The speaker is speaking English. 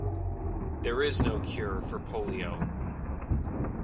There is no cure for polio.